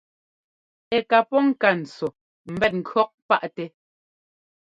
Ɛ́ ká pɔ́ ŋka ntsɔ ḿbɛt ŋkʉ̈ɔk paʼtɛ.